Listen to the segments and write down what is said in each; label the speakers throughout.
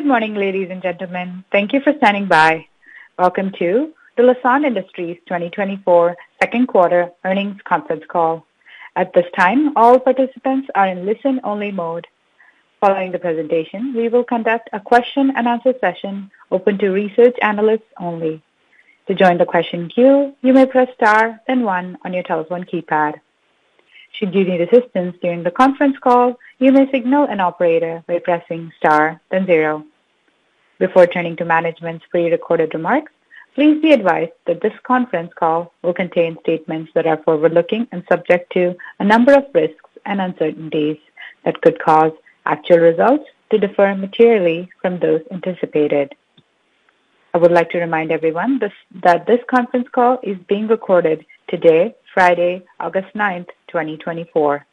Speaker 1: Good morning, ladies and gentlemen. Thank you for standing by. Welcome to the Lassonde Industries 2024 second quarter earnings conference call. At this time, all participants are in listen-only mode. Following the presentation, we will conduct a question-and-answer session open to research analysts only. To join the question queue, you may press Star then one on your telephone keypad. Should you need assistance during the conference call, you may signal an operator by pressing Star then zero. Before turning to management's pre-recorded remarks, please be advised that this conference call will contain statements that are forward-looking and subject to a number of risks and uncertainties that could cause actual results to differ materially from those anticipated. I would like to remind everyone that this conference call is being recorded today, Friday, August ninth, 2024.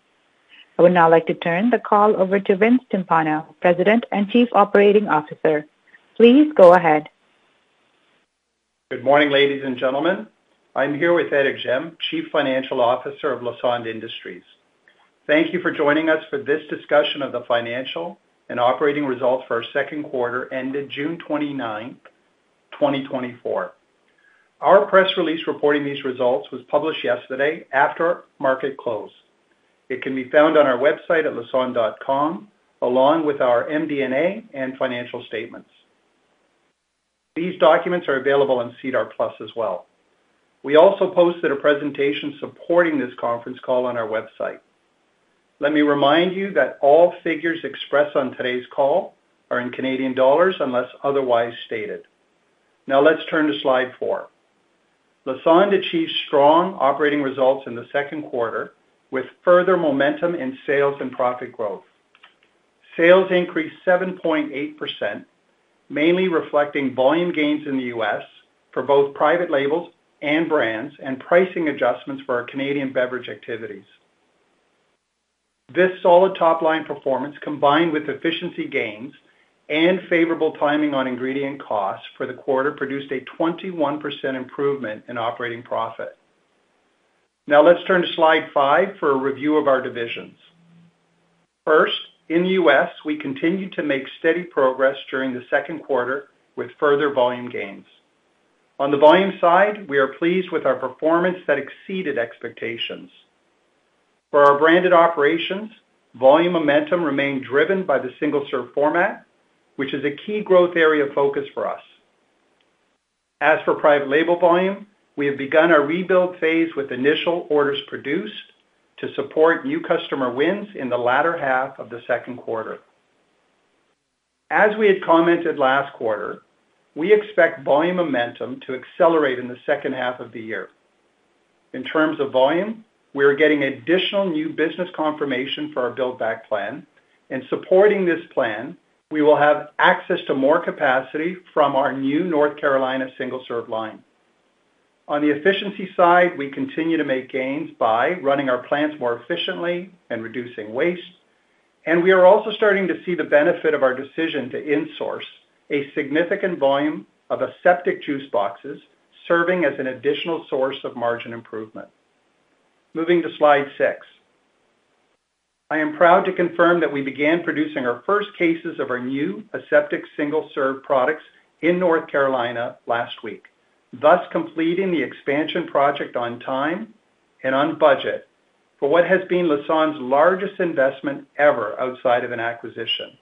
Speaker 1: I would now like to turn the call over to Vince Timpano, President and Chief Operating Officer. Please go ahead.
Speaker 2: Good morning, ladies and gentlemen. I'm here with Éric Gemme, Chief Financial Officer of Lassonde Industries. Thank you for joining us for this discussion of the financial and operating results for our second quarter ended June 29, 2024. Our press release reporting these results was published yesterday after market close. It can be found on our website at lassonde.com, along with our MD&A and financial statements. These documents are available on SEDAR+ as well. We also posted a presentation supporting this conference call on our website. Let me remind you that all figures expressed on today's call are in Canadian dollars, unless otherwise stated. Now, let's turn to slide 4. Lassonde achieved strong operating results in the second quarter, with further momentum in sales and profit growth. Sales increased 7.8%, mainly reflecting volume gains in the U.S. for both private labels and brands, and pricing adjustments for our Canadian beverage activities. This solid top-line performance, combined with efficiency gains and favorable timing on ingredient costs for the quarter, produced a 21% improvement in operating profit. Now, let's turn to slide 5 for a review of our divisions. First, in the U.S., we continued to make steady progress during the second quarter with further volume gains. On the volume side, we are pleased with our performance that exceeded expectations. For our branded operations, volume momentum remained driven by the single-serve format, which is a key growth area of focus for us. As for private label volume, we have begun our rebuild phase with initial orders produced to support new customer wins in the latter half of the second quarter. As we had commented last quarter, we expect volume momentum to accelerate in the second half of the year. In terms of volume, we are getting additional new business confirmation for our build-back plan, and supporting this plan, we will have access to more capacity from our new North Carolina single-serve line. On the efficiency side, we continue to make gains by running our plants more efficiently and reducing waste, and we are also starting to see the benefit of our decision to insource a significant volume of aseptic juice boxes, serving as an additional source of margin improvement. Moving to slide six. I am proud to confirm that we began producing our first cases of our new aseptic single-serve products in North Carolina last week, thus completing the expansion project on time and on budget for what has been Lassonde's largest investment ever outside of an acquisition.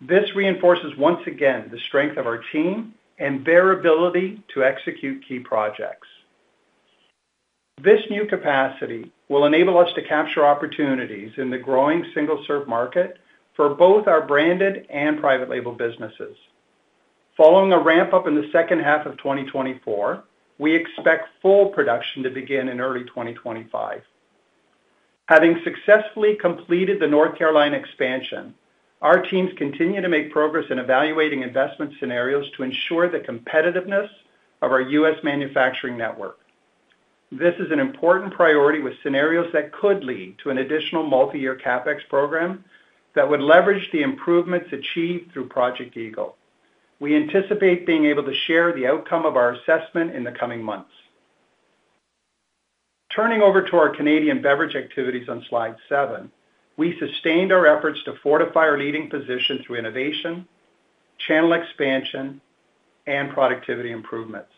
Speaker 2: This reinforces once again the strength of our team and their ability to execute key projects. This new capacity will enable us to capture opportunities in the growing single-serve market for both our branded and private label businesses. Following a ramp-up in the second half of 2024, we expect full production to begin in early 2025. Having successfully completed the North Carolina expansion, our teams continue to make progress in evaluating investment scenarios to ensure the competitiveness of our U.S. manufacturing network. This is an important priority, with scenarios that could lead to an additional multi-year CapEx program that would leverage the improvements achieved through Project Eagle. We anticipate being able to share the outcome of our assessment in the coming months. Turning over to our Canadian beverage activities on slide 7, we sustained our efforts to fortify our leading position through innovation, channel expansion, and productivity improvements.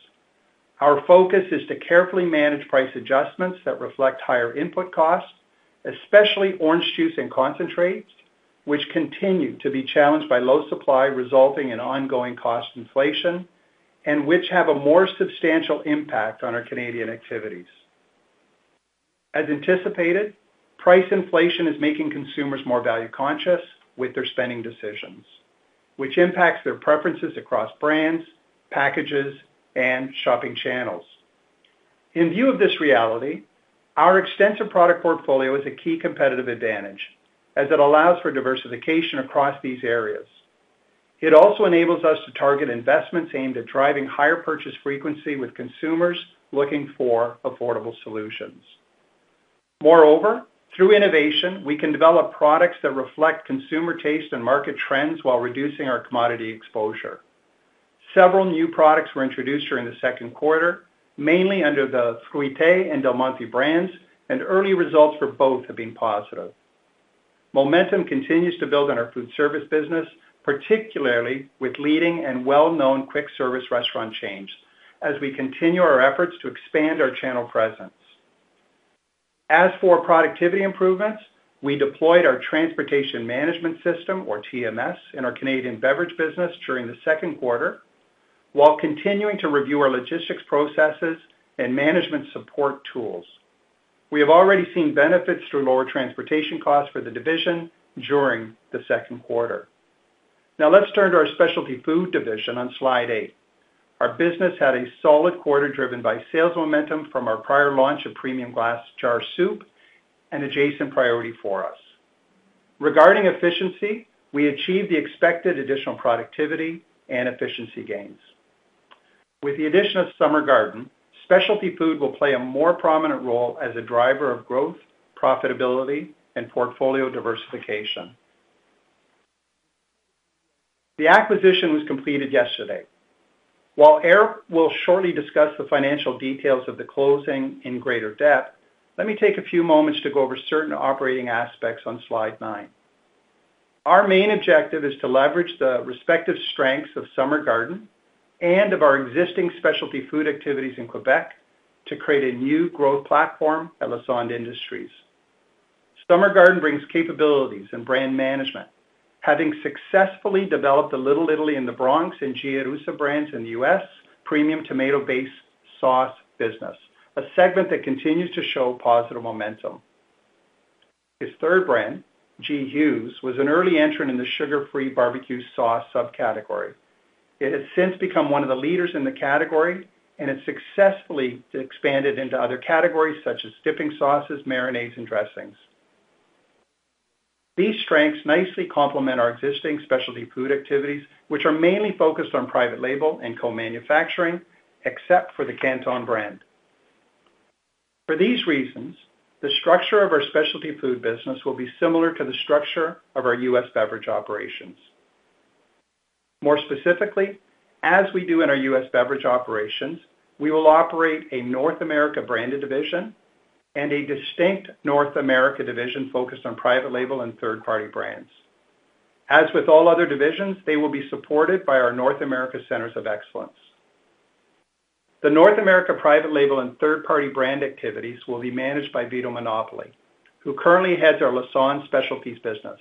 Speaker 2: Our focus is to carefully manage price adjustments that reflect higher input costs, especially orange juice and concentrates, which continue to be challenged by low supply, resulting in ongoing cost inflation and which have a more substantial impact on our Canadian activities. As anticipated, price inflation is making consumers more value-conscious with their spending decisions, which impacts their preferences across brands, packages, and shopping channels. In view of this reality, our extensive product portfolio is a key competitive advantage as it allows for diversification across these areas. It also enables us to target investments aimed at driving higher purchase frequency with consumers looking for affordable solutions. Moreover, through innovation, we can develop products that reflect consumer taste and market trends while reducing our commodity exposure.... Several new products were introduced during the second quarter, mainly under the Fruité and Del Monte brands, and early results for both have been positive. Momentum continues to build on our food service business, particularly with leading and well-known quick service restaurant chains, as we continue our efforts to expand our channel presence. As for productivity improvements, we deployed our transportation management system, or TMS, in our Canadian beverage business during the second quarter, while continuing to review our logistics processes and management support tools. We have already seen benefits through lower transportation costs for the division during the second quarter. Now, let's turn to our specialty food division on slide 8. Our business had a solid quarter, driven by sales momentum from our prior launch of premium glass jar soup, an adjacent priority for us. Regarding efficiency, we achieved the expected additional productivity and efficiency gains. With the addition of Summer Garden, specialty food will play a more prominent role as a driver of growth, profitability, and portfolio diversification. The acquisition was completed yesterday. While Eric will shortly discuss the financial details of the closing in greater depth, let me take a few moments to go over certain operating aspects on slide 9. Our main objective is to leverage the respective strengths of Summer Garden and of our existing specialty food activities in Quebec to create a new growth platform at Lassonde Industries. Summer Garden brings capabilities and brand management, having successfully developed the Little Italy in the Bronx and Gia Russa brands in the U.S., premium tomato-based sauce business, a segment that continues to show positive momentum. Its third brand, G Hughes, was an early entrant in the sugar-free barbecue sauce subcategory. It has since become one of the leaders in the category and has successfully expanded into other categories such as dipping sauces, marinades, and dressings. These strengths nicely complement our existing specialty food activities, which are mainly focused on private label and co-manufacturing, except for the Canton brand. For these reasons, the structure of our specialty food business will be similar to the structure of our U.S. beverage operations. More specifically, as we do in our U.S. beverage operations, we will operate a North America branded division and a distinct North America division focused on private label and third-party brands. As with all other divisions, they will be supported by our North America Centers of Excellence. The North America private label and third-party brand activities will be managed by Vito Monopoli, who currently heads our Lassonde Specialties business,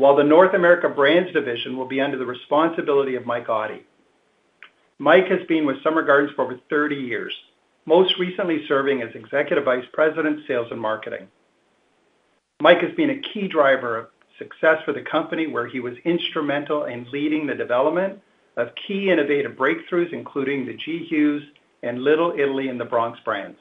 Speaker 2: while the North America Brands division will be under the responsibility of Mike Oddi. Mike has been with Summer Garden for over 30 years, most recently serving as Executive Vice President, Sales and Marketing. Mike has been a key driver of success for the company, where he was instrumental in leading the development of key innovative breakthroughs, including the G. Hughes and Little Italy in the Bronx brands.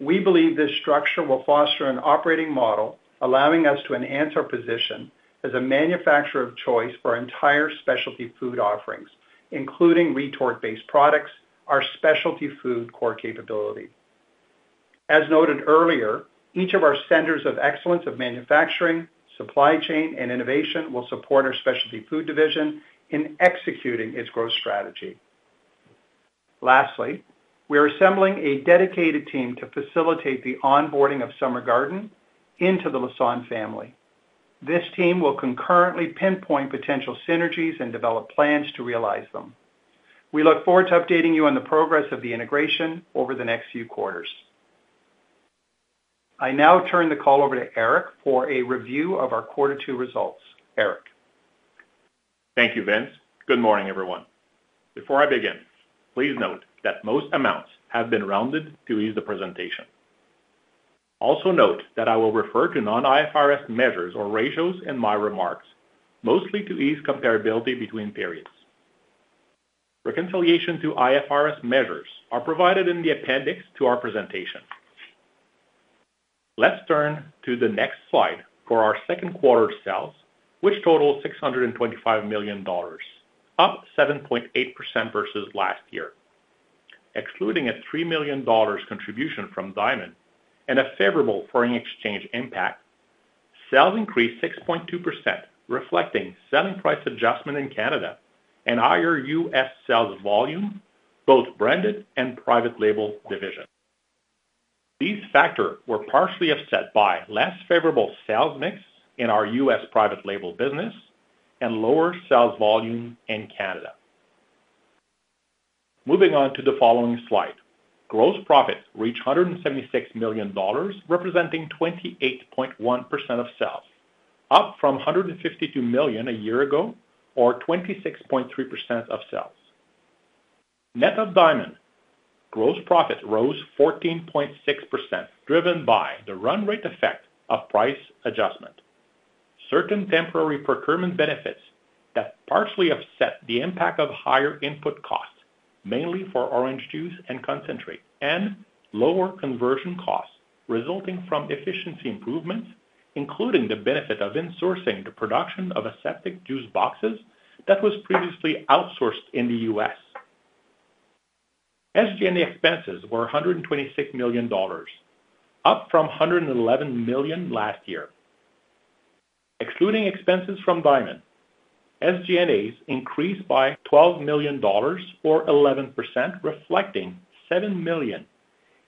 Speaker 2: We believe this structure will foster an operating model, allowing us to enhance our position as a manufacturer of choice for our entire specialty food offerings, including retort-based products, our specialty food core capability. As noted earlier, each of our centers of excellence of manufacturing, supply chain, and innovation will support our specialty food division in executing its growth strategy. Lastly, we are assembling a dedicated team to facilitate the onboarding of Summer Garden into the Lassonde family. This team will concurrently pinpoint potential synergies and develop plans to realize them. We look forward to updating you on the progress of the integration over the next few quarters. I now turn the call over to Eric for a review of our Quarter Two results. Eric?
Speaker 3: Thank you, Vince. Good morning, everyone. Before I begin, please note that most amounts have been rounded to ease the presentation. Also note that I will refer to non-IFRS measures or ratios in my remarks, mostly to ease comparability between periods. Reconciliation to IFRS measures are provided in the appendix to our presentation. Let's turn to the next slide for our second quarter sales, which totaled 625 million dollars, up 7.8% versus last year. Excluding a 3 million dollars contribution from Diamond and a favorable foreign exchange impact, sales increased 6.2%, reflecting selling price adjustment in Canada and higher U.S. sales volume, both branded and private label division. These factors were partially offset by less favorable sales mix in our U.S. private label business and lower sales volume in Canada. Moving on to the following slide. Gross profit reached $176 million, representing 28.1% of sales, up from $152 million a year ago or 26.3% of sales. Net of Diamond, gross profit rose 14.6%, driven by the run rate effect of price adjustment, certain temporary procurement benefits that partially offset the impact of higher input costs, mainly for orange juice and concentrate, and lower conversion costs resulting from efficiency improvements, including the benefit of insourcing the production of aseptic juice boxes that was previously outsourced in the US. SG&A expenses were $126 million, up from $111 million last year. Excluding expenses from Diamond, SG&As increased by $12 million or 11%, reflecting $7 million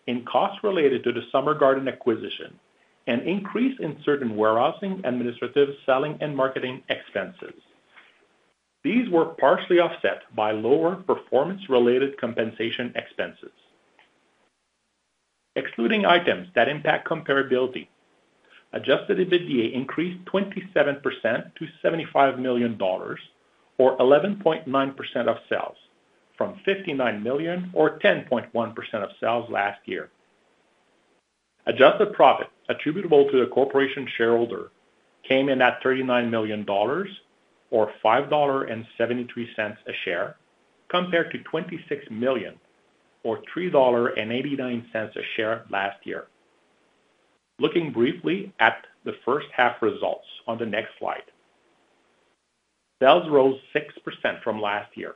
Speaker 3: in costs related to the Summer Garden acquisition, an increase in certain warehousing, administrative, selling, and marketing expenses. These were partially offset by lower performance-related compensation expenses. Excluding items that impact comparability, Adjusted EBITDA increased 27% to 75 million dollars, or 11.9% of sales, from 59 million or 10.1% of sales last year. Adjusted profit attributable to the corporation shareholder came in at 39 million dollars, or 5.73 dollar a share, compared to 26 million or 3.89 dollar a share last year. Looking briefly at the first half results on the next slide. Sales rose 6% from last year.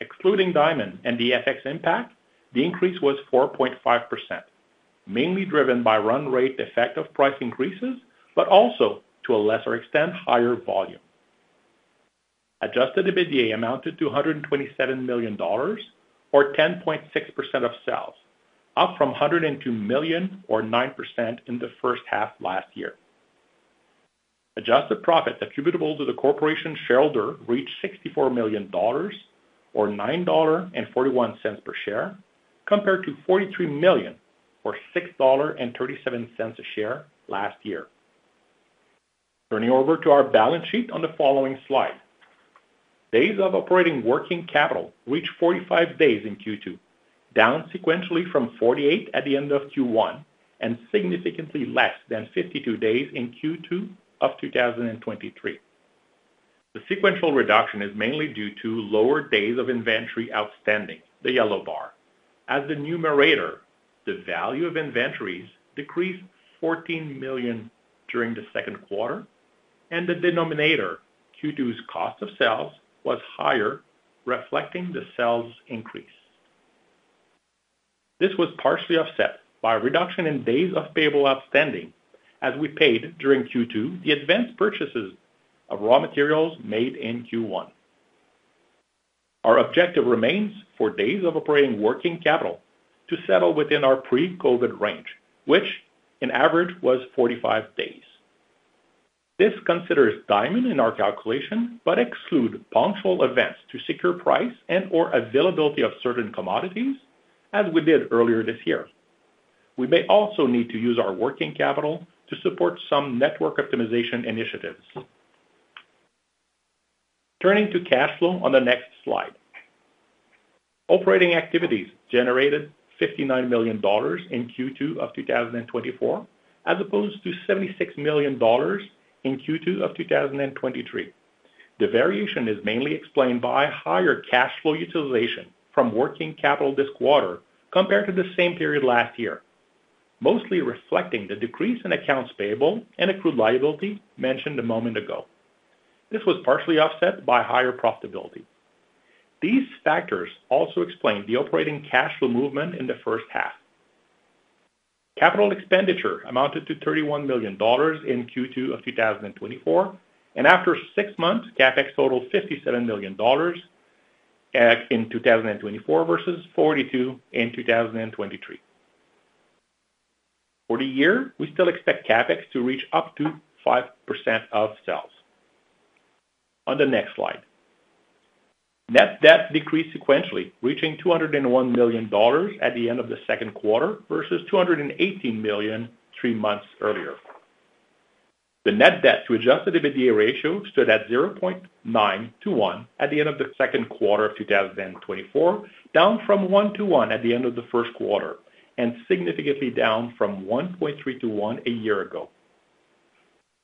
Speaker 3: Excluding Diamond and the FX impact, the increase was 4.5%, mainly driven by run rate effect of price increases, but also to a lesser extent, higher volume. Adjusted EBITDA amounted to 127 million dollars or 10.6% of sales, up from 102 million or 9% in the first half last year. Adjusted profit attributable to the corporation shareholder reached 64 million dollars, or 9.41 dollar per share, compared to 43 million or 6.37 a share last year. Turning over to our balance sheet on the following slide. Days of operating working capital reached 45 days in Q2, down sequentially from 48 at the end of Q1, and significantly less than 52 days in Q2 of 2023. The sequential reduction is mainly due to lower days of inventory outstanding, the yellow bar. As the numerator, the value of inventories decreased 14 million during the second quarter, and the denominator, Q2's cost of sales, was higher, reflecting the sales increase. This was partially offset by a reduction in days of payable outstanding, as we paid during Q2, the advanced purchases of raw materials made in Q1. Our objective remains for days of operating working capital to settle within our pre-COVID range, which in average was 45 days. This considers Diamond in our calculation but exclude punctual events to secure price and/or availability of certain commodities, as we did earlier this year. We may also need to use our working capital to support some network optimization initiatives. Turning to cash flow on the next slide. Operating activities generated 59 million dollars in Q2 of 2024, as opposed to 76 million dollars in Q2 of 2023. The variation is mainly explained by higher cash flow utilization from working capital this quarter compared to the same period last year, mostly reflecting the decrease in accounts payable and accrued liability mentioned a moment ago. This was partially offset by higher profitability. These factors also explain the operating cash flow movement in the first half. Capital expenditure amounted to 31 million dollars in Q2 of 2024, and after six months, CapEx totaled 57 million dollars in 2024 versus 42 in 2023. For the year, we still expect CapEx to reach up to 5% of sales. On the next slide. Net debt decreased sequentially, reaching 201 million dollars at the end of the second quarter, versus 218 million three months earlier. The net debt to adjusted EBITDA ratio stood at 0.9 to 1 at the end of the second quarter of 2024, down from 1 to 1 at the end of the first quarter, and significantly down from 1.3 to 1 a year ago.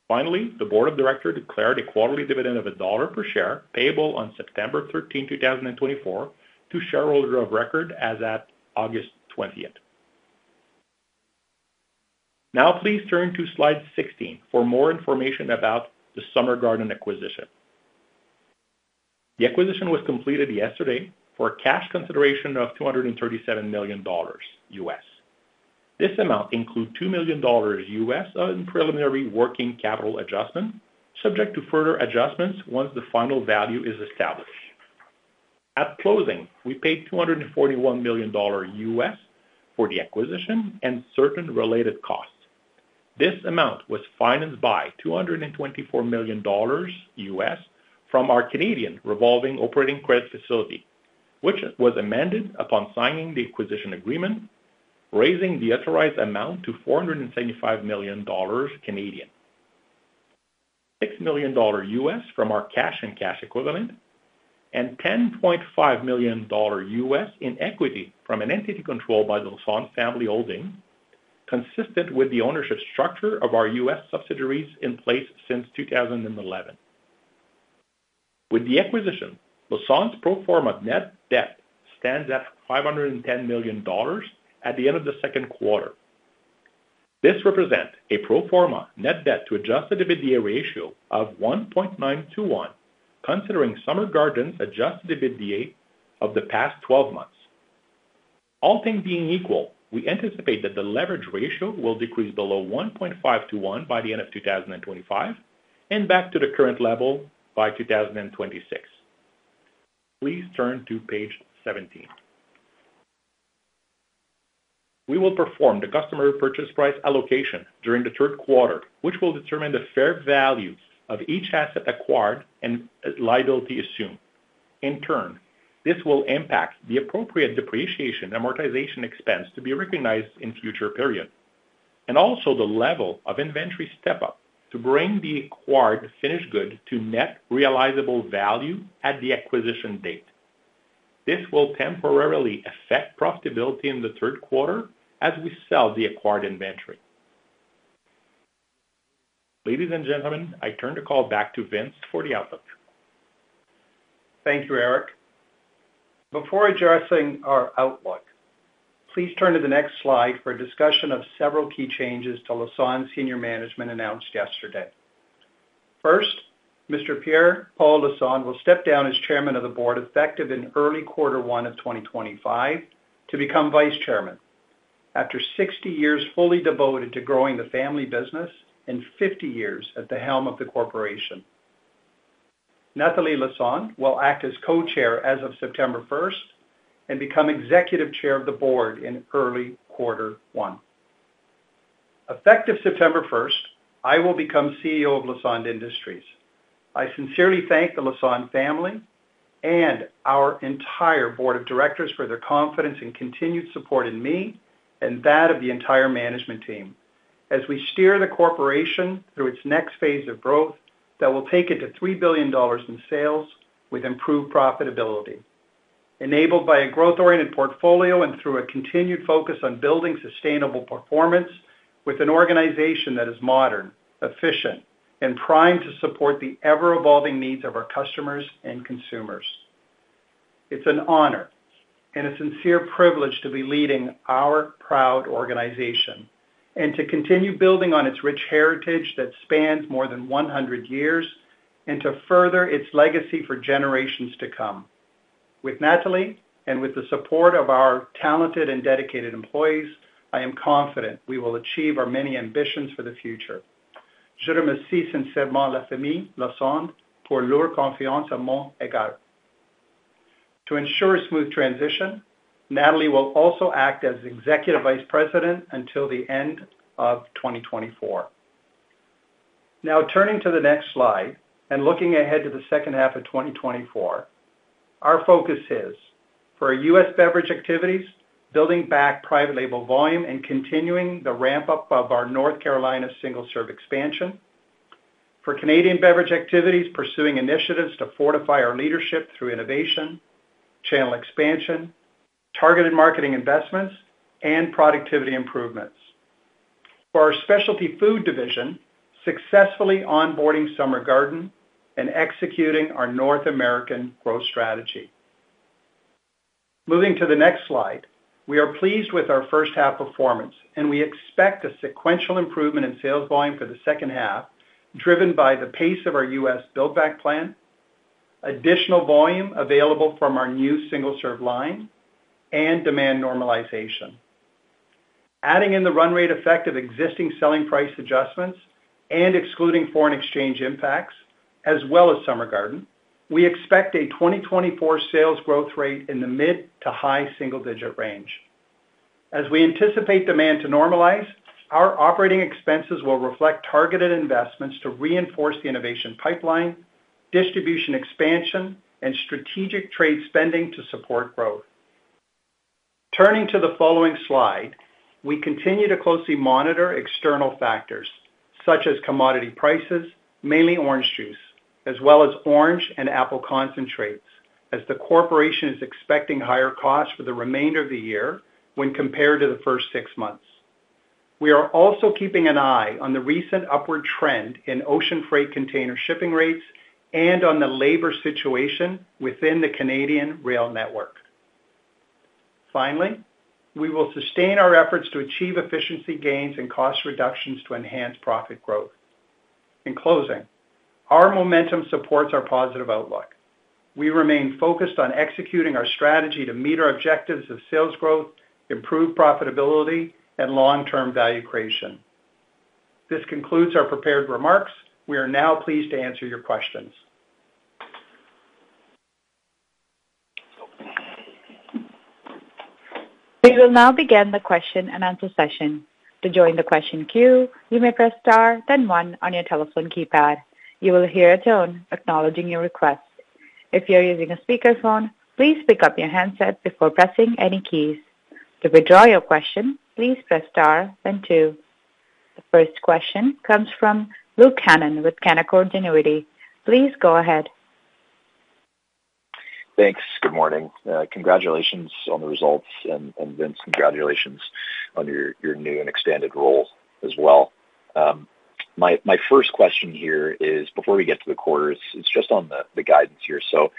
Speaker 3: Finally, the board of directors declared a quarterly dividend of CAD 1 per share, payable on September 13, 2024, to shareholders of record as of August 20. Now, please turn to slide 16 for more information about the Summer Garden acquisition. The acquisition was completed yesterday for a cash consideration of $237 million. This amount includes $2 million in preliminary working capital adjustment, subject to further adjustments once the final value is established. At closing, we paid $241 million for the acquisition and certain related costs. This amount was financed by $224 million from our Canadian revolving operating credit facility, which was amended upon signing the acquisition agreement, raising the authorized amount to 475 million Canadian dollars. $6 million from our cash and cash equivalent, and $10.5 million in equity from an entity controlled by the Lassonde family holding, consistent with the ownership structure of our U.S. subsidiaries in place since 2011. With the acquisition, Lassonde's pro forma net debt stands at 510 million dollars at the end of the second quarter. This represents a pro forma net debt to Adjusted EBITDA ratio of 1.921, considering Summer Garden's Adjusted EBITDA of the past 12 months. All things being equal, we anticipate that the leverage ratio will decrease below 1.5 to 1 by the end of 2025, and back to the current level by 2026. Please turn to page 17. We will perform the customer purchase price allocation during the third quarter, which will determine the fair value of each asset acquired and liability assumed. In turn, this will impact the appropriate depreciation amortization expense to be recognized in future periods, and also the level of inventory step-up to bring the acquired finished good to net realizable value at the acquisition date. This will temporarily affect profitability in the third quarter as we sell the acquired inventory. Ladies and gentlemen, I turn the call back to Vince for the outlook.
Speaker 2: Thank you, Eric. Before addressing our outlook, please turn to the next slide for a discussion of several key changes to Lassonde's senior management announced yesterday. First, Mr. Pierre-Paul Lassonde will step down as chairman of the board, effective in early quarter one of 2025, to become vice chairman. After 60 years fully devoted to growing the family business and 50 years at the helm of the corporation. Nathalie Lassonde will act as co-chair as of September first and become executive chair of the board in early quarter one. Effective September first, I will become CEO of Lassonde Industries. I sincerely thank the Lassonde family and our entire board of directors for their confidence and continued support in me and that of the entire management team. As we steer the corporation through its next phase of growth, that will take it to 3 billion dollars in sales with improved profitability, enabled by a growth-oriented portfolio and through a continued focus on building sustainable performance with an organization that is modern, efficient, and primed to support the ever-evolving needs of our customers and consumers. It's an honor and a sincere privilege to be leading our proud organization and to continue building on its rich heritage that spans more than 100 years, and to further its legacy for generations to come. With Nathalie and with the support of our talented and dedicated employees, I am confident we will achieve our many ambitions for the future. To ensure a smooth transition, Nathalie will also act as Executive Vice President until the end of 2024. Now, turning to the next slide and looking ahead to the second half of 2024, our focus is: for our U.S. beverage activities, building back private label volume and continuing the ramp-up of our North Carolina single-serve expansion. For Canadian beverage activities, pursuing initiatives to fortify our leadership through innovation, channel expansion, targeted marketing investments, and productivity improvements. For our specialty food division, successfully onboarding Summer Garden and executing our North American growth strategy. Moving to the next slide. We are pleased with our first half performance, and we expect a sequential improvement in sales volume for the second half, driven by the pace of our U.S. build back plan, additional volume available from our new single-serve line and demand normalization. Adding in the run rate effect of existing selling price adjustments and excluding foreign exchange impacts, as well as Summer Garden, we expect a 2024 sales growth rate in the mid- to high-single-digit range. As we anticipate demand to normalize, our operating expenses will reflect targeted investments to reinforce the innovation pipeline, distribution expansion, and strategic trade spending to support growth. Turning to the following slide, we continue to closely monitor external factors such as commodity prices, mainly orange juice, as well as orange and apple concentrates, as the corporation is expecting higher costs for the remainder of the year when compared to the first six months. We are also keeping an eye on the recent upward trend in ocean freight container shipping rates and on the labor situation within the Canadian rail network. Finally, we will sustain our efforts to achieve efficiency gains and cost reductions to enhance profit growth. In closing, our momentum supports our positive outlook. We remain focused on executing our strategy to meet our objectives of sales growth, improved profitability, and long-term value creation. This concludes our prepared remarks. We are now pleased to answer your questions.
Speaker 1: We will now begin the question-and-answer session. To join the question queue, you may press star, then one on your telephone keypad. You will hear a tone acknowledging your request. If you are using a speakerphone, please pick up your handset before pressing any keys. To withdraw your question, please press * then 2. The first question comes from Luke Hannan with Canaccord Genuity. Please go ahead.
Speaker 4: Thanks. Good morning. Congratulations on the results, and, and Vince, congratulations on your, your new and extended role as well. My, my first question here is, before we get to the quarters, it's just on the, the guidance here. So,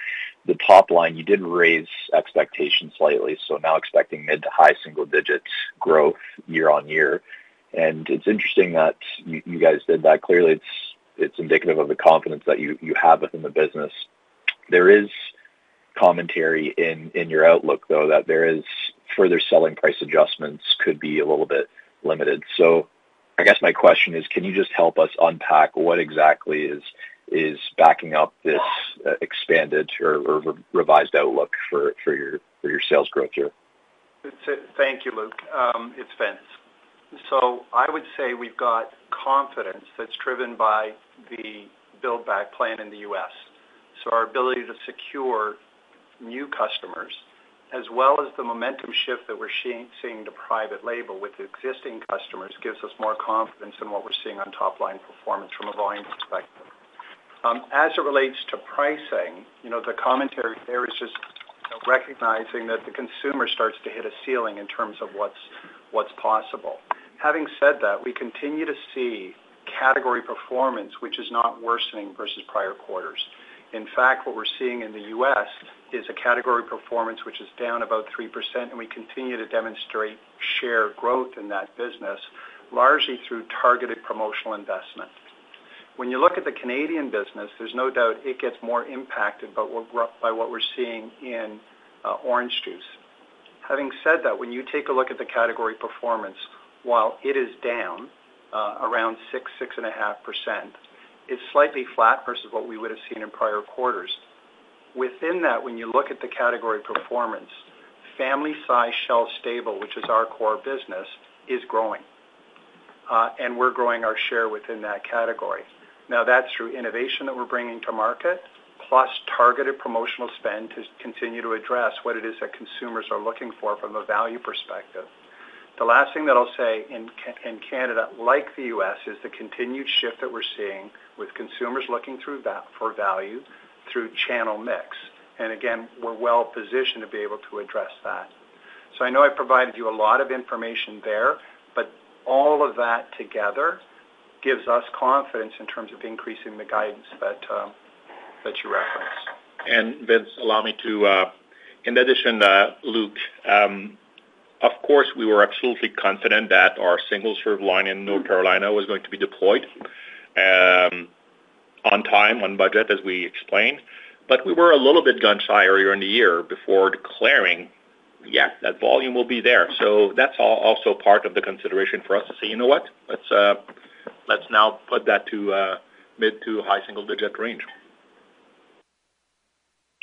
Speaker 4: the top line, you did raise expectations slightly, so now expecting mid to high single digits growth year on year. And it's interesting that you, you guys did that. Clearly, it's, it's indicative of the confidence that you, you have within the business. There is commentary in, in your outlook, though, that there is further selling price adjustments could be a little bit limited. So, I guess my question is, can you just help us unpack what exactly is, is backing up this expanded or, or revised outlook for, for your, for your sales growth here?
Speaker 2: Thank you, Luke. It's Vince. So, I would say we've got confidence that's driven by the build back plan in the U.S. So, our ability to secure new customers, as well as the momentum shift that we're seeing to private label with the existing customers, gives us more confidence in what we're seeing on top line performance from a volume perspective. As it relates to pricing, you know, the commentary there is just recognizing that the consumer starts to hit a ceiling in terms of what's possible. Having said that, we continue to see category performance, which is not worsening versus prior quarters. In fact, what we're seeing in the U.S. is a category performance, which is down about 3%, and we continue to demonstrate share growth in that business, largely through targeted promotional investment. When you look at the Canadian business, there's no doubt it gets more impacted, but we're by what we're seeing in orange juice. Having said that, when you take a look at the category performance, while it is down around 6-6.5%, it's slightly flat versus what we would have seen in prior quarters. Within that, when you look at the category performance, family size shelf stable, which is our core business, is growing, and we're growing our share within that category. Now, that's through innovation that we're bringing to market, plus targeted promotional spend to continue to address what it is that consumers are looking for from a value perspective. The last thing that I'll say in Canada, like the US, is the continued shift that we're seeing with consumers looking for value through channel mix. And again, we're well positioned to be able to address that. So I know I provided you a lot of information there, but all of that together gives us confidence in terms of increasing the guidance that, that you referenced.
Speaker 3: Vince, allow me to, in addition, Luke, of course, we were absolutely confident that our single-serve line in North Carolina was going to be deployed, on time, on budget, as we explained, but we were a little bit gun shy earlier in the year before declaring, "Yeah, that volume will be there." So that's also part of the consideration for us to say: You know what? Let's, let's now put that to, mid- to high-single-digit range.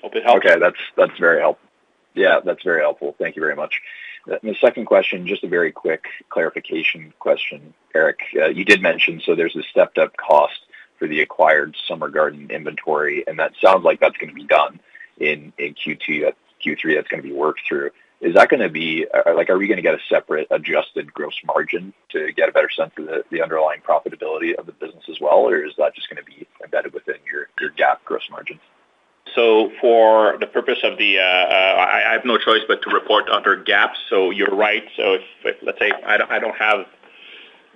Speaker 3: Hope it helps.
Speaker 4: Okay. That's, that's very helpful. Yeah, that's very helpful. Thank you very much. The second question, just a very quick clarification question, Eric. You did mention, so there's a stepped-up cost for the acquired Summer Garden inventory, and that sounds like that's gonna be done in Q2, Q3, that's gonna be worked through. Is that gonna be... Like, are we gonna get a separate adjusted gross margin to get a better sense of the underlying profitability of the business as well, or is that just gonna be embedded within your GAAP gross margins?
Speaker 3: So, for the purpose of the, I have no choice but to report under GAAP, so you're right. So, if, let's say, I don't have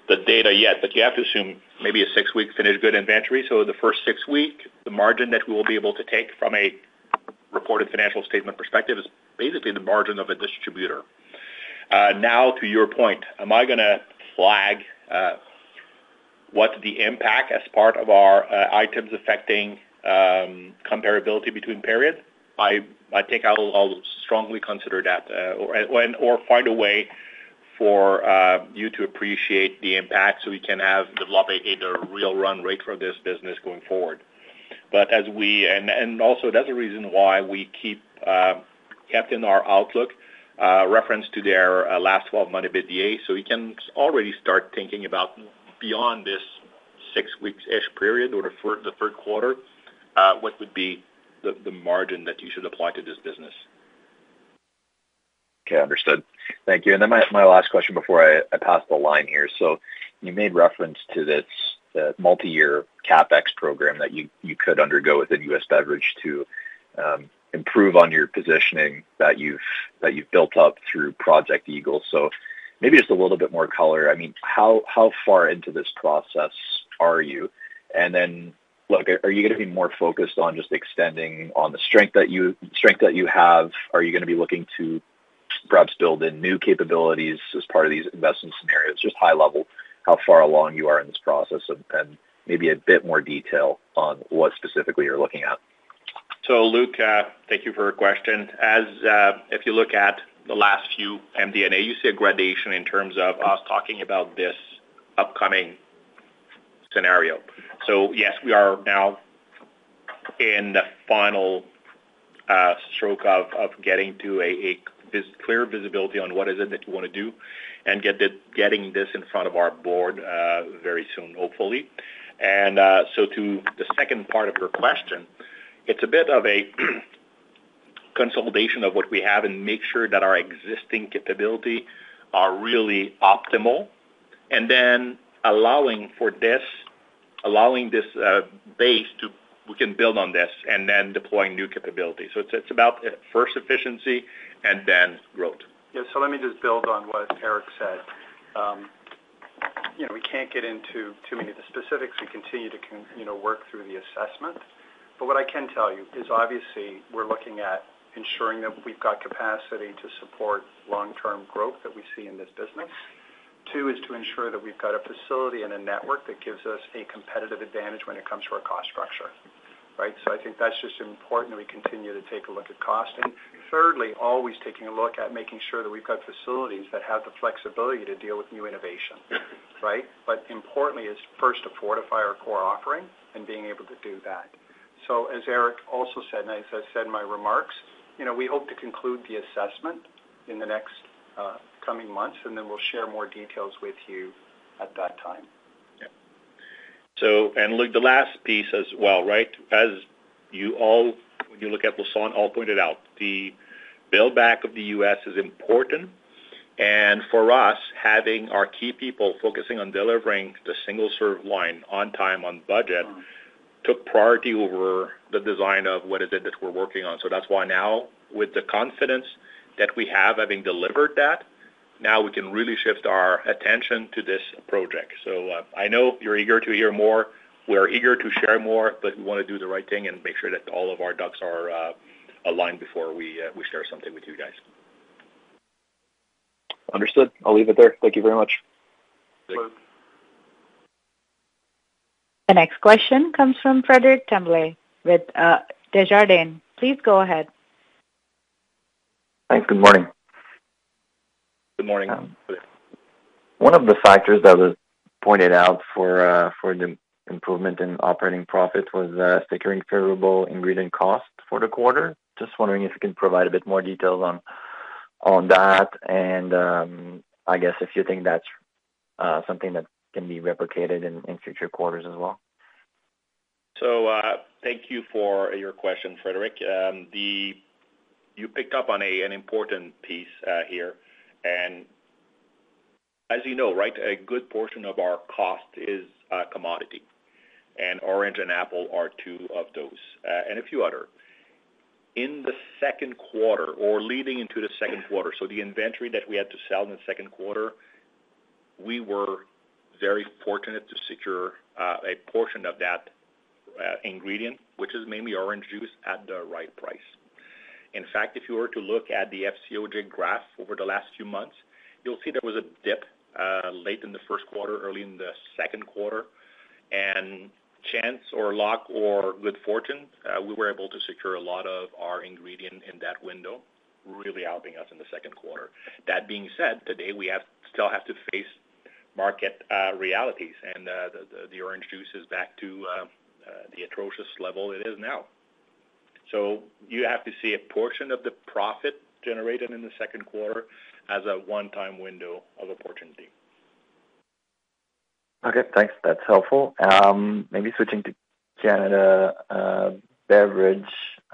Speaker 3: the data yet, but you have to assume maybe a six-week finished good inventory. So, the first six week, the margin that we will be able to take from a reported financial statement perspective is basically the margin of a distributor. Now, to your point, am I gonna flag what the impact as part of our items affecting comparability between periods? I think I will, I'll strongly consider that or find a way for you to appreciate the impact so we can develop a real run rate for this business going forward. But as we and, and also that's the reason why we kept in our outlook reference to their last 12-month EBITDA. So, we can already start thinking about beyond this 6 weeks-ish period or the third quarter, what would be the margin that you should apply to this business?
Speaker 5: Okay, understood. Thank you. And then my, my last question before I, I pass the line here. So, you made reference to this multiyear CapEx program that you, you could undergo within US Beverage to improve on your positioning that you've, that you've built up through Project Eagle. So maybe just a little bit more color. I mean, how, how far into this process are you? And then, look, are you gonna be more focused on just extending on the strength that you, strength that you have? Are you gonna be looking to perhaps build in new capabilities as part of these investment scenarios? Just high level, how far along you are in this process, and, and maybe a bit more detail on what specifically you're looking at.
Speaker 3: So, Luke, thank you for your question. As if you look at the last few MD&A, you see a gradation in terms of us talking about this upcoming scenario. So yes, we are now in the final stroke of getting to a clear visibility on what is it that you wanna do and get it, getting this in front of our board very soon, hopefully. And so, to the second part of your question, it's a bit of a consolidation of what we have and make sure that our existing capability are really optimal, and then allowing this base to, we can build on this and then deploying new capabilities. So, it's about, at first efficiency and then growth.
Speaker 2: Yeah. So let me just build on what Eric said. You know, we can't get into too many of the specifics. We continue to you know, work through the assessment. But what I can tell you is, obviously, we're looking at ensuring that we've got capacity to support long-term growth that we see in this business. Two, is to ensure that we've got a facility and a network that gives us a competitive advantage when it comes to our cost structure, right? So, I think that's just important that we continue to take a look at cost. And thirdly, always taking a look at making sure that we've got facilities that have the flexibility to deal with new innovation, right? But importantly, is first to fortify our core offering and being able to do that. As Eric also said, and as I said in my remarks, you know, we hope to conclude the assessment in the next coming months, and then we'll share more details with you at that time.
Speaker 3: Yeah. So, and look, the last piece as well, right? As you all, when you look at Lassonde, all pointed out, the build-back of the U.S. is important, and for us, having our key people focusing on delivering the single serve line on time, on budget, took priority over the design of what is it that we're working on. So that's why now, with the confidence that we have, having delivered that, now we can really shift our attention to this project. So, I know you're eager to hear more. We're eager to share more, but we wanna do the right thing and make sure that all of our ducks are aligned before we, we share something with you guys.
Speaker 4: Understood. I'll leave it there. Thank you very much.
Speaker 3: Thanks.
Speaker 2: Welcome.
Speaker 1: The next question comes from Frédéric Tremblay with Desjardins. Please go ahead.
Speaker 4: Thanks. Good morning.
Speaker 3: Good morning.
Speaker 6: One of the factors that was pointed out for the improvement in operating profits was securing favorable ingredient costs for the quarter. Just wondering if you can provide a bit more details on that, and I guess if you think that's something that can be replicated in future quarters as well.
Speaker 3: So, thank you for your question, Frédéric. You picked up on an important piece here, and as you know, right, a good portion of our cost is commodity, and orange and apple are two of those, and a few other. In the second quarter, or leading into the second quarter, so the inventory that we had to sell in the second quarter, we were very fortunate to secure a portion of that ingredient, which is mainly orange juice, at the right price. In fact, if you were to look at the FCOJ graph over the last few months, you'll see there was a dip late in the first quarter, early in the second quarter, and chance or luck or good fortune, we were able to secure a lot of our ingredient in that window, really helping us in the second quarter. That being said, today, we still have to face market realities, and the orange juice is back to the atrocious level it is now. So you have to see a portion of the profit generated in the second quarter as a one-time window of opportunity.
Speaker 6: Okay, thanks. That's helpful. Maybe switching to Canada, beverage,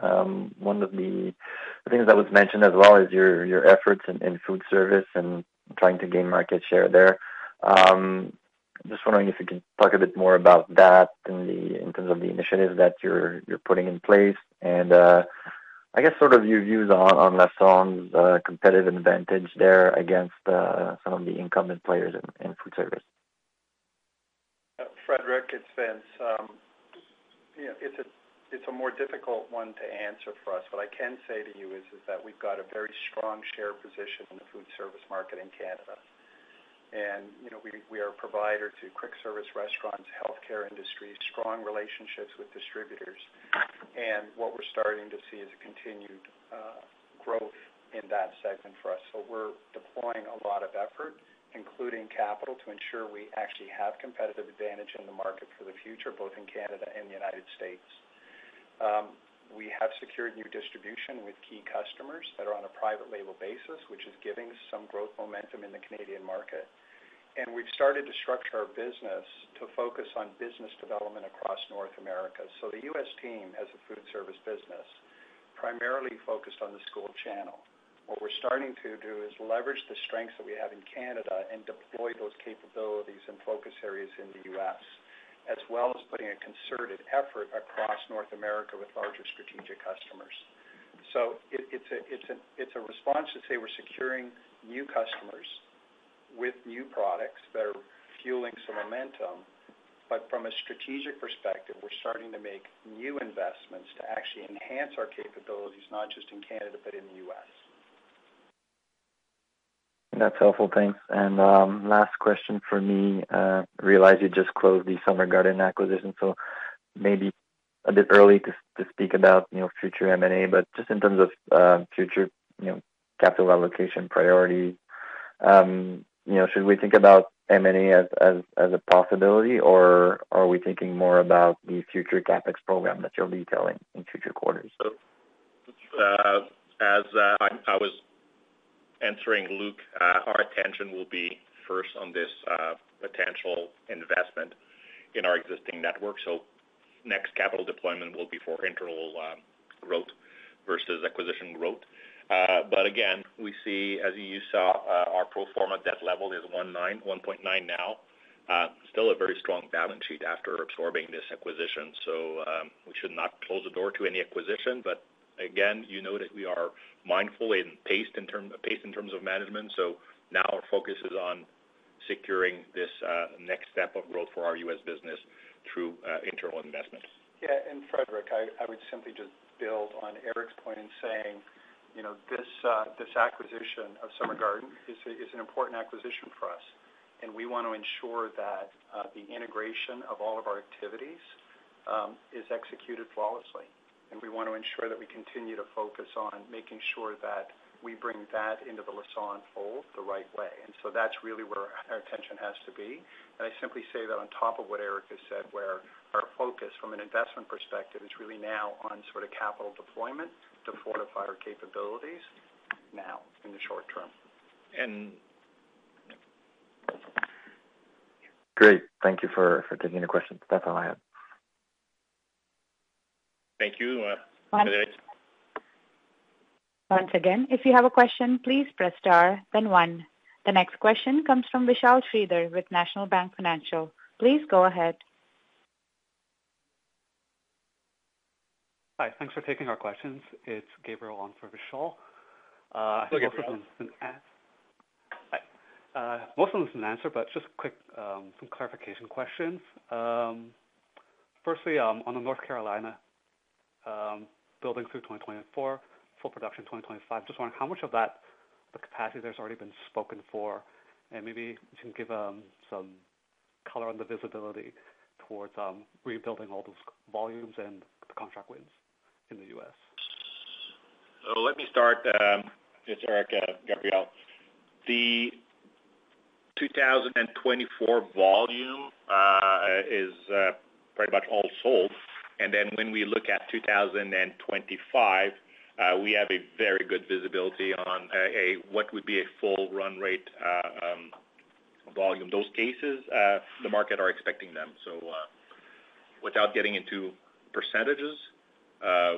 Speaker 6: one of the things that was mentioned as well is your, your efforts in, in food service and trying to gain market share there. Just wondering if you could talk a bit more about that in the, in terms of the initiatives that you're, you're putting in place, and, I guess sort of your views on, on Lassonde's, competitive advantage there against, some of the incumbent players in, in food service.
Speaker 2: Frédéric, it's Vince. You know, it's a more difficult one to answer for us. What I can say to you is that we've got a very strong share position in the food service market in Canada. You know, we are a provider to quick service restaurants, healthcare industry, strong relationships with distributors, and what we're starting to see is a continued growth in that segment for us. So, we're deploying a lot of effort, including capital, to ensure we actually have competitive advantage in the market for the future, both in Canada and the United States. We have secured new distribution with key customers that are on a private label basis, which is giving some growth momentum in the Canadian market, and we've started to structure our business to focus on business development across North America. So, the U.S. team has a food service business, primarily focused on the school channel. What we're starting to do is leverage the strengths that we have in Canada and deploy those capabilities and focus areas in the U.S., as well as putting a concerted effort across North America with larger strategic customers. So, it's a response to say we're securing new customers with new products that are fueling some momentum, but from a strategic perspective, we're starting to make new investments to actually enhance our capabilities, not just in Canada, but in the U.S.
Speaker 6: That's helpful. Thanks. Last question for me, realize you just closed the Summer Garden acquisition, so maybe a bit early to speak about, you know, future M&A, but just in terms of future, you know, capital allocation priority, you know, should we think about M&A as a possibility, or are we thinking more about the future CapEx program that you'll be telling in future quarters?
Speaker 3: As I was answering, Luke, our attention will be first on this potential investment in our existing network. Next capital deployment will be for internal growth versus acquisition growth. But again, we see, as you saw, our pro forma debt level is 1.9 now. Still a very strong balance sheet after absorbing this acquisition. So, we should not close the door to any acquisition, but again, you know that we are mindful in pace in terms of management. So now our focus is on securing this next step of growth for our U.S. business through internal investments.
Speaker 2: Yeah, and Frédéric, I would simply just build on Eric's point in saying, you know, this acquisition of Summer Garden is an important acquisition for us, and we want to ensure that the integration of all of our activities is executed flawlessly. And we want to ensure that we continue to focus on making sure that we bring that into the Lassonde fold the right way. And so that's really where our attention has to be. And I simply say that on top of what Eric has said, where our focus from an investment perspective is really now on sort of capital deployment to fortify our capabilities now in the short term.
Speaker 6: Great, thank you for taking the questions. That's all I have.
Speaker 3: Thank you. Next.
Speaker 1: Once again, if you have a question, please press *, then 1. The next question comes from Vishal Shreedhar with National Bank Financial. Please go ahead. Hi, thanks for taking our questions. It's Gabriel on for Vishal. Most of them didn't answer, but just quick, some clarification questions. Firstly, on the North Carolina, building through 2024, full production 2025, just wondering how much of that, the capacity there's already been spoken for, and maybe you can give, some color on the visibility towards, rebuilding all those volumes and the contract wins in the U.S.
Speaker 3: Let me start, it's Eric, Gabriel. The 2024 volume is pretty much all sold. Then when we look at 2025, we have a very good visibility on a, what would be a full run rate, volume. Those cases, the market are expecting them. So, without getting into percentages,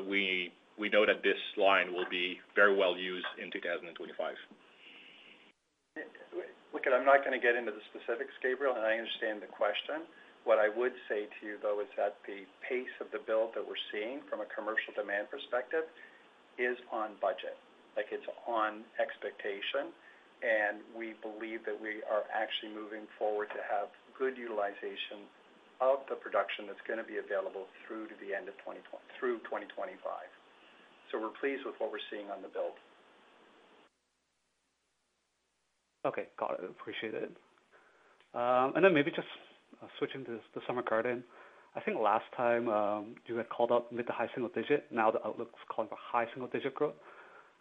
Speaker 3: we know that this line will be very well used in 2025.
Speaker 2: Look, I'm not gonna get into the specifics, Gabriel, and I understand the question. What I would say to you, though, is that the pace of the build that we're seeing from a commercial demand perspective is on budget, like it's on expectation, and we believe that we are actually moving forward to have good utilization of the production that's gonna be available through to the end of 2025. So we're pleased with what we're seeing on the build.
Speaker 4: Okay, got it. Appreciate it. And then maybe just switching to the Summer Garden. I think last time, you had called out mid to high single digit, now the outlook's calling for high single digit growth,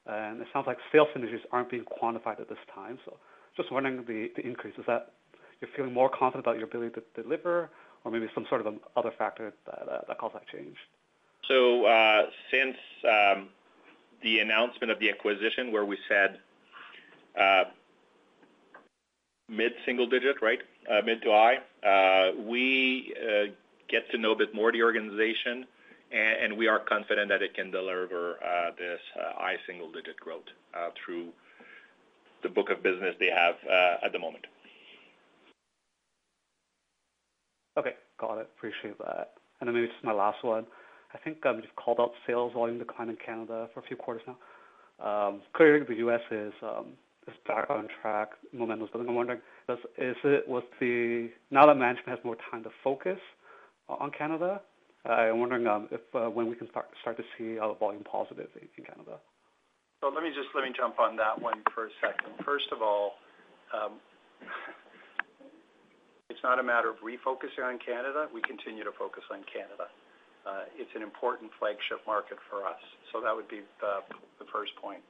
Speaker 4: and it sounds like sales synergies aren't being quantified at this time. So just wondering, the, the increase, is that you're feeling more confident about your ability to deliver or maybe some sort of other factor that, that caused that change?
Speaker 3: So, since the announcement of the acquisition, where we said mid-single digit, right? Mid to high. We get to know a bit more the organization, and we are confident that it can deliver this high single-digit growth through the book of business they have at the moment.
Speaker 4: Okay, got it. Appreciate that. And then this is my last one. I think you've called out sales volume decline in Canada for a few quarters now. Clearly, the U.S. is back on track, momentum. But I'm wondering, now that management has more time to focus on Canada, I am wondering if when we can start to see a volume positivity in Canada?
Speaker 2: So let me jump on that one for a second. First of all, it's not a matter of refocusing on Canada. We continue to focus on Canada. It's an important flagship market for us, so that would be the first point.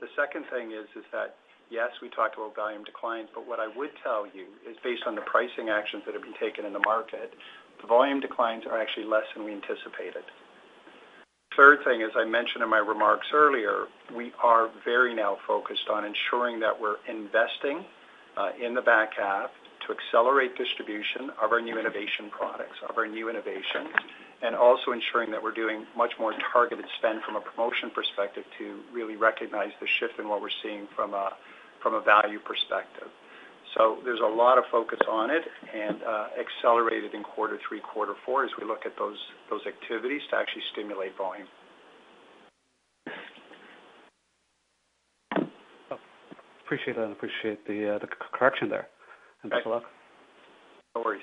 Speaker 2: The second thing is that, yes, we talked about volume declines, but what I would tell you is based on the pricing actions that have been taken in the market, the volume declines are actually less than we anticipated. Third thing, as I mentioned in my remarks earlier, we are very now focused on ensuring that we're investing, in the back half to accelerate distribution of our new innovation products, of our new innovations, and also ensuring that we're doing much more targeted spend from a promotion perspective to really recognize the shift in what we're seeing from a, from a value perspective. So, there's a lot of focus on it and accelerated in quarter three, quarter four, as we look at those, those activities to actually stimulate volume.
Speaker 4: Appreciate that. I appreciate the, the correction there, and thanks a lot.
Speaker 2: No worries.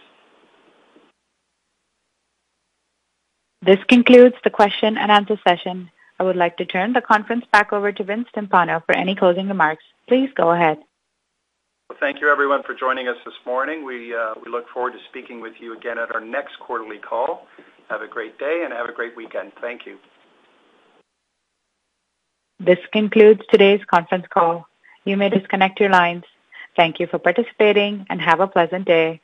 Speaker 1: This concludes the question and answer session. I would like to turn the conference back over to Vince Timpano for any closing remarks. Please go ahead.
Speaker 2: Well, thank you everyone for joining us this morning. We, we look forward to speaking with you again at our next quarterly call. Have a great day, and have a great weekend. Thank you.
Speaker 1: This concludes today's conference call. You may disconnect your lines. Thank you for participating, and have a pleasant day.